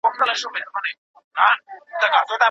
پوهان باید ټولنیز بدلونونه وڅیړي.